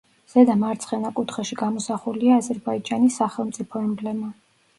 ზედა მარცხენა კუთხეში გამოსახულია აზერბაიჯანის სახელმწიფო ემბლემა.